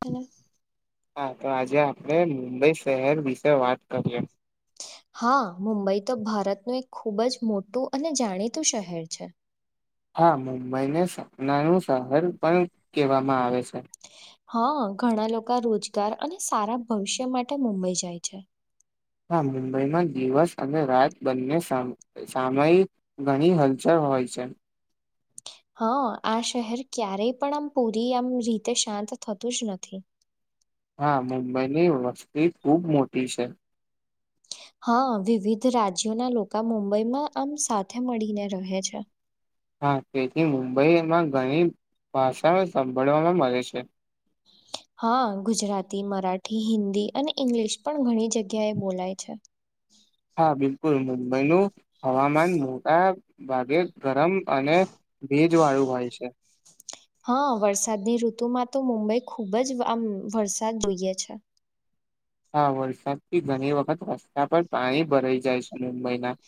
Hello હા તો આજે આપણે મુંબઈ શહેર વિશે વાત કરીએ હા મુંબઈ તો ભારતનું એક ખૂબ જ મોટું અને જાણીતું શહેર છે હા મુંબઈને સપનાનુંું શહર પણ કેહેવામાં આવે છે હા ઘણા લોકો રોજગાર અને સારા ભવિષ્ય માટે મુંબઈ જાય છે હા મુંબઈમાં દિવસ અને રાત બંને સામાય ઘણી હલચલ હ હોય છે હા આ શહેર ક્યારેય પણ આમ પૂરી આમ રીતે શાંત થતું જ નથી. હા મુંબઈની વસ્તી ખુબ મોટી છે હા વિવિધ રાજ્યોના લોકો મુંબઈમાં આમ સાથે મળીને રહે છે. હા તેથી મુંબઈમાં ઘણી ભાષાઓ સાભળવામાં મળે છે હા ગુજરાતી મરાઠી હિન્દી અને ઇંગ્લિશ પણ ઘણી જગ્યા એ બોલાય છે. [inaudible] હા બિલકુલ મુંબઈનું હવામાન મોટા ભાગે ગરમ અને ભેજ વાળું હોય છે હ વરસાદની ઋતુમાં તો મુંબઈ ખુબ જ આમ વરસાદ જોઈએ છે હા વરસાદથી ઘણી વખત રસ્તા પર પાણી ભરાઈ જાય છે મુંબઈમાં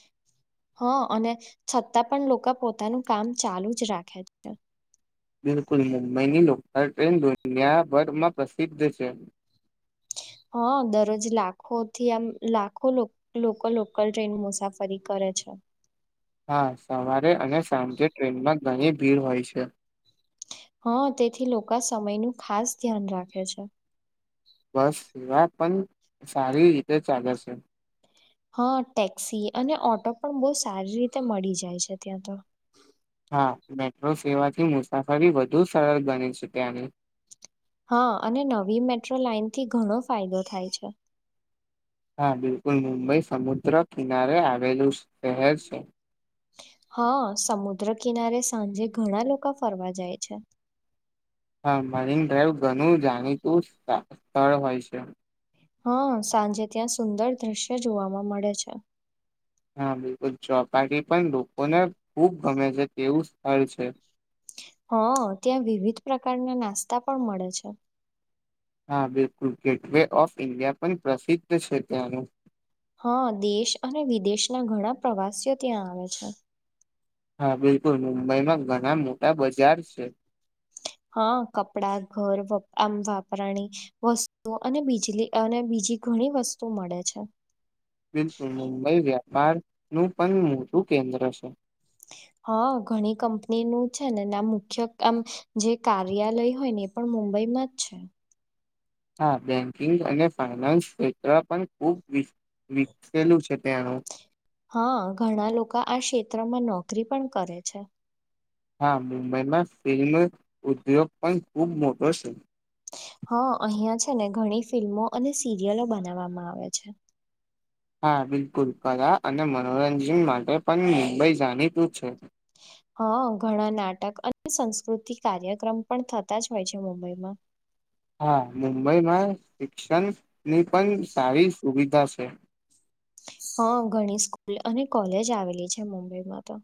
હ અને છતાં પણ લોકો પોતાનું કામ ચાલુ જ રાખે છે બિલકુલ મુંબઈની લોકલ ટ્રેન દુનિયાભરમાં પ્રસિદ્ધ છે [inaudible] હ દરરોજ લાખોથી આમ [inaudible] ટ્રેન મુસાફરી કરે છે હા સવારે અને સાંજે ટ્રેનમાં ઘણી ભીડ હોય છે હ તેથી લોકા સમયનું ખાસ ધ્યાન રાખે છે બસ સેવા પન સારી રીતે ચાલે છે હ ટેક્સી અને ઓટો પણ બો સારી રીતે મળી જાય છે ત્યાં તો હા મેટ્રો સેવાથી મુસાફરી વધુ સરળ બની છે ત્યાંની હ અને નવી મેટ્રો લાાઈનથી ઘણો ફાયદો થાય છે હા બિલકુલ મુંબઈ સમુદ્ર કિનારે આવેલું શહેર છે હ સમુદ્ર કિનારે સાંજે ઘણા લોકા ફરવા જાય છે હ મરીન ડ્રાઈવ ઘણું જાણીતું સ્થળ હોય છે હ સાંજે ત્યાં સુંદર દ્રશ્ય જોવાવામાં મળે છે હા બિલકુલ ચોપાટી પણ લોકોને ખુબ ગમે છે તેવું સ્થળ છે હ ત્યાં વિવિધ પ્રકારના નાસ્તા પણ મળે છે. હા બિલકુલ ગેટ વે ઓફ ઈન્ડિયા પન પ્રસિદ્ધ છે ત્યાંનું. હ દેશ અને વિદેશના ઘણા પ્રવાસીઓ ત્યાં આવે છે. હા બિલકુલ મુંબઈમાં ઘણા મોટા બજાર છે. હ કપડા ઘર આમ વાપરાણી વસ્તુ અને બીજલી અને બી જી ઘણી વસ્તુ મળે છે. બિલકુલ મુંબઈ વ્યાપાર નું પન મોટું કેન્દ્ર છે. [inaudible] હ ઘણી કંપની નું છે ને [unintelligible] આમ જે કાર્યાલય હોય ને એ પણ મુંબઈ માં જ છે. હા બેન્કિંગ અને ફાઈનાન્સ ક્ષેત્ર પણ ખુબ વિકસેલું છે ત્યાં. હા ઘણા લોકો આ ક્ષેત્રમાં નોકરી પણ કરે છે. હા મુંબઈમાં ફિલ્મ ઉદ્યોગ પણ ખુબ મોટો છે. હ અહીયાં છે ને ઘણી ફિલ્મો અને સિરિયલો બનાવવામાં આવે છે. હા બિલકુલ કલા અને મનોરંજન માટે પણ મુંબઈ જાણીતું છે. હ ઘણા નાટક અને સંસ્કૃતિક કાર્યક્રમ પણ થતા જ હોય છે મુંબઈમાં. હા મુંબઈમાં શિક્ષણ ની પન સારી સુવિ ધા છે. હ ઘણી સ્કૂલ અને કોલેજ આવેલી છે મુંબઈમાં તો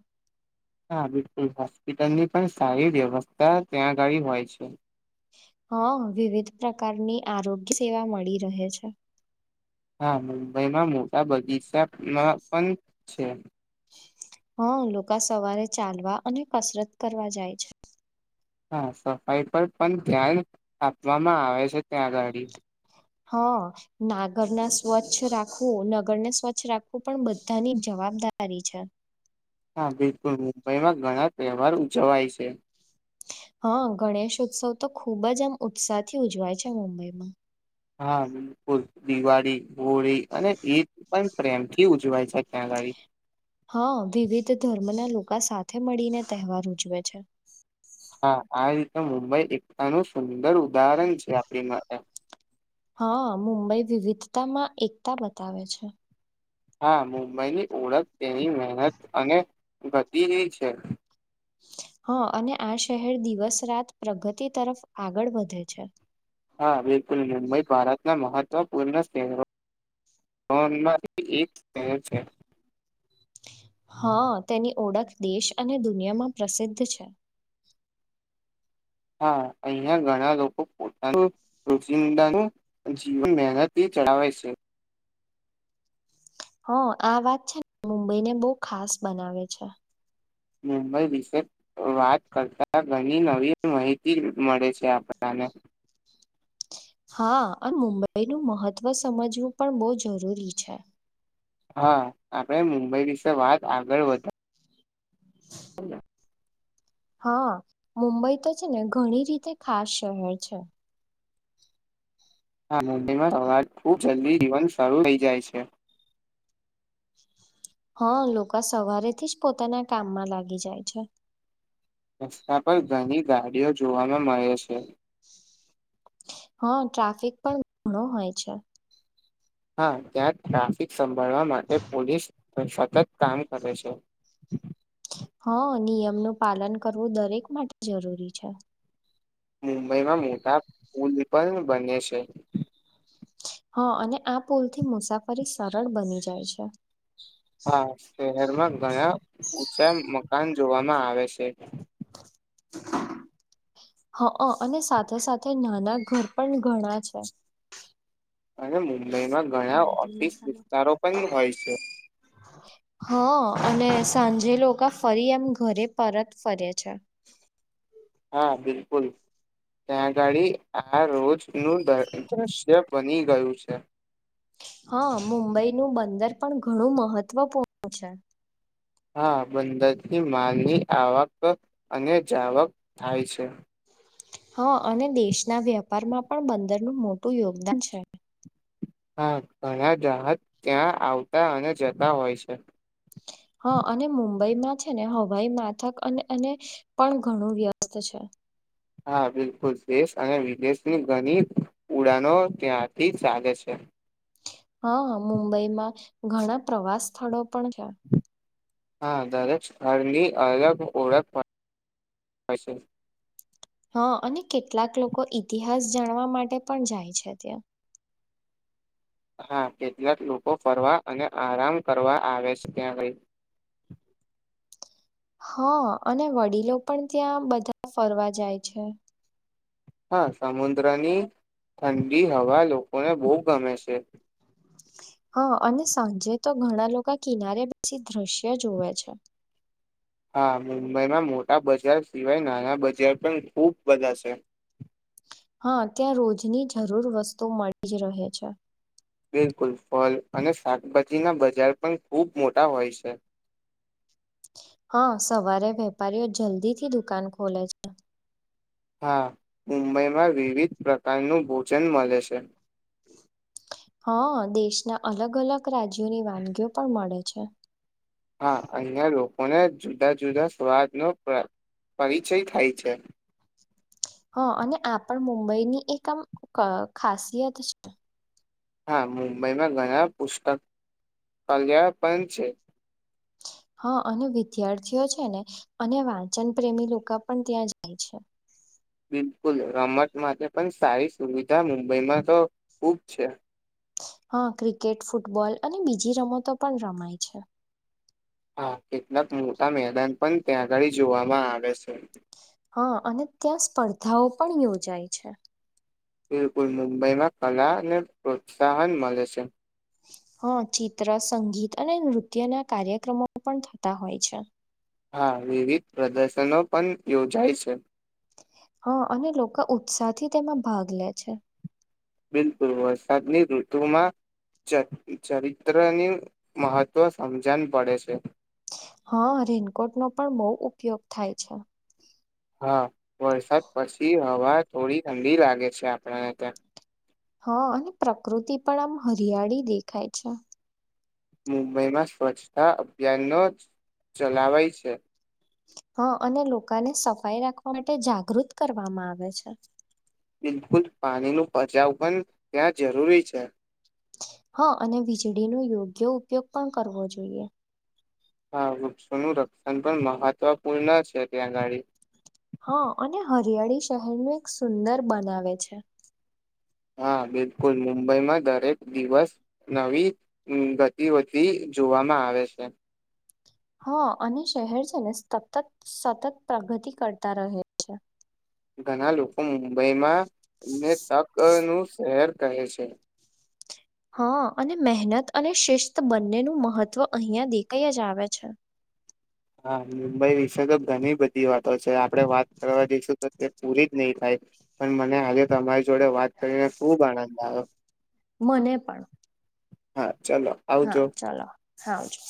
હા બિલકુલ હોસ્પિટલની પણ સારી વ્યવસ્થા ત્યાં આગાળી હોય છે. હ વિવિધ પ્રકારની આરોગ્ય સેવા મળી રહે છે. હા મુંબઈમાં મોટા બગીચામાં પન છે. હ લોકા સવારે ચાલવા અને કસરત કરવા જાય છે. હા સફાઈ પર પણ ધ્યાન આપવામાં આવે છે ત્યાંગાડી. હ નાગર ના સ્વચ્છ રાખવું નગરને સ્વચ્છ રાખવું પણ બધાની જવાબ દારી છે. હા બિલકુલ મુંબઈમાં ઘણા તેવાર ઉજવાય છે. હ ગણેશ ઉત્સવ તો ખુબ જ આમ ઉત્સાહ થી ઉજવાય છે મુંબઈમાં. હા બિલકુલ દિવાળી હોળી અને એ પન પ્રેમથી ઉજવાય છે ત્યાંગાડી. હા વિવિધ ધર્મના લોકો સાથે મળીને તહેવાર ઉજવે છે. હા આ રીતે મુંબઈ એકતાનું સુંદર ઉદાહરણ છે આપણી માટે. હા મુંબઈ વિવિધતામાં એકતા બતાવે છે. હા મુંબઈની ઓળખ તેની મહેનત અને ગતિ છે. હા અને આ શહેર દિવસ રાત પ્રગતિ તરફ આગળ વધે છે. હા બિલકુલ મુંબઈ ભારતના મહત્વપૂર્ણ શહેરો માંથી એક શહેર છે. હા તેની ઓળખ દેશ અને દુનિયામાં પ્રસિદ્ધ છે. હા અહં ઘણા લોકો પોતાનું રોિંદા ન જીવન મનત [unintelligible] ચડાવવા છે. [inaudible] હ આ વાત છે ને મુંબઈને બહુ ખાસ બનાવે છે. મુંબઈ વિશે વાત કરતા ઘણી નવી માહિતી મળે છે આપણાને. [inaudible] હા અને મુંબઈનું મહત્વ સમજવું પણ બહુ જરૂરી છે. હા આપણે મુંબઈ વિશે વાત આગળ વધી હા મુંબઈ તો છે ને ઘણી રીતે ખાસ શહેર છે. હ મબીમાં સવાર ખુબ જલ્દી જીવન શરૂુ થઇ જાય છે. [inaudible] હા લોકો સવારેથી જ પોતાના કામમાં લાગી જાય છે. રસ્તા પર ઘણી ગાડીઓ જોવામાં મળે છે હા ટ્રાફિક પણ ઘણો હોય છે હા ત્યાં ટ્રાફિક સંભાળવા માટે પોલીસ સતત કામ કરે છે હા નિયમ નું પાલન કરવું દરેક માટે જરૂરી છે મુંબઈમાં મોટા પુલ પણ બને છે હા અને આ પુલથી મુસાફરી સરળ બની જાય છે હા શહેરમાં ઘણા ઉચ્ચા મકાન જોવામાં આવે છે [inaudible] હ અને સાથે સાથે નાના ઘર પણ ઘણા છે હાેમ બો મુંબઈમાં ઘણા ઓફિસ વિસ્તારો પણ હોય છે હા અને સાંજે લોકો ફરી એમ ઘરે પરત ફરે છે હા બિલકુલ ત્યાંગાળ આ રોજ નું દ્રશ્ય બની ગયું છે હા મુંબઈનું બંદર પણ ઘણું મહત્વપૂર્ણ છે હા બંદરની માલની આવક અને જાવક થાય છે હા અને દેશના વ્યાપારમાં પણ બંદરનું મોટું યોગદાન છે હા ઘણા દાહત ત્યાં આવતા અને જતા હોય છે હા અને મુંબઈમાં છે ને હવાઈ માથક અને એ પણ ઘણું વ્યસ્ત છે હા બિલકુલ દેશ અને વિદેશની ઘણી ઉડાનો ત્યાંથી ચાલે છે હા મુંબઈમાં ઘણા પ્રવાસ સ્થળો પણ છે હા દરેક ઘરની અલગ ઓળખ હા અને કેટલાક લોકો ઇતિહાસ જાણવા માટે પણ જાય છે ત્યાં હા કેટલાક લોકો ફરવા અને આરામ કરવા આવે છે ત્યાં ગઈ [inaudible] હા અને વડીલો પણ ત્યાં બધા ફરવા જાય છે હા સમુદ્રની ઠંડી હવા લોકોને બહુ ગમે છે હા અને સાંજે તો ઘણા લોકો કિનારે બેી દ્રશ્ય જોવે છે હા મુંબઈમાં મોટા બજાર સિવાય નાના બજાર પણ ખૂબ બધા છે હા, ત્યાં રોજની જરૂર વસ્તુ મળી જ રહે છે. બિલકુલ. ફલ અને શાકભાજીના બજાર પણ ખુબ મોટા હોય છે. [inaudible] હા, સવારે વેપારીઓ જલ્દીથી દુકાન ખોલે છે. હા, મુંબઈમાં વિવિધ પ્રકારનું ભોજન મલે છે. હા, દેશના અલગ અલગ રાજ્યોની વાનગીઓ પણ મળે છે. હા, અન્ય લોકો અને જુદા જુદા સ્વાદનો પરિચય થાય છે. હ, અને આ પણ મુંબઈની એક આમ ખાસિયત છે. હા, મુંબઈમાં ઘણા પુસ્તક કલ્યા પણ છે. [inaudible] હા, અને વિદ્યાર્થીઓ છે ને અને વાંચન પ્રેમી લોકો પણ ત્યાં જાય છે. બિલકુલ. રમત માટે પણ સારી સુવિધા મુંબઈમાં તો ખુબ છે. હા, ક્રિકેટ, ફૂટબોલ અને બીજી રમતો પણ રમાય છે. હા, કેટલાક મોટા મેદાન પણ ત્યાં આગળ જોવામાં આવે છે. હા, અને ત્યાં સ્પર્ધાઓ પણ યોજાય છે. બિલકુલ. મુંબઈમાં કલાને પ્રોત્સાહન મલે છે. હા, ચિત્ર સંગીત અને નૃત્યના કાર્યક્રમો પણ થતા હોય છે. હા, વિવિધ પ્રદર્શનો પણ યોજાય છે. હા, અને લોકો ઉત્સાહથી તેમાં ભાગ લે છે. બિલકુલ. વરસાદની ઋતુમાં ચરિત્રનું મહત્ત્વ સમજણ પડે છે. હા, રેનકોટનો પણ બહુ ઉપયોગ થાય છે. હા, વરસાદ પછી હવા થોડી ઠંડી લાગે છે. આપણને ત્યાં હા, અને પ્રકૃતિ પણ આમ હરિયાળી દેખાય છે. મુંબઈમાં સ્વચ્છતા અભિયાનનો ચલાવાય છે. હા, અને લોકોને સફાઈ રાખવા માટે જાગૃત કરવામાં આવે છે. બિલકુલ. પાણીનું બચાવ પણ ત્યાં જરૂરી છે. હા, અને વીજળીનો યોગ્ય ઉપયોગ પણ કરવો જોઈએ. હા, વૃક્ષોનું રક્ષણ પણ મહત્વપૂર્ણ છે, ત્યાં અગાળી હા. અને હરિયાળી શહેરનું એક સુંદર બનાવે છે. હા બિલકુલ. મુંબઈમાં દરેક દિવસ નવી ગતિવતિ જોવામાં આવે છે. [inaudible] હા, અને શહેર છે ને સતત સતત પ્રગતિ કરતા રહે છે. ઘણા લોકો મુંબઈમાં ને ટકનું શહેર કહે છે. [inaudible] હા, અને મહેનત અને શિસ્ત બંનેનું મહત્ત્વ અહીંયા દેખાઈ જ આવે છે. હા, મુંબઈ વિશે તો ઘણી બધી વાતો છે. આપડે વાત કરવા જઈશું તો તે પૂરી જ નહી થાય. પણ મને આજે તમારી જોડે વાત કરીને ખુબ આનંદ આવ્યો. મને પણ. હા. ચલો હા આવજો ચાલો. હા આવજો.